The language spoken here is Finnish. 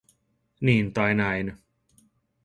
Niin tai näin.